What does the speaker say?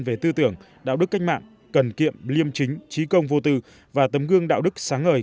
về tư tưởng đạo đức cách mạng cần kiệm liêm chính trí công vô tư và tấm gương đạo đức sáng ngời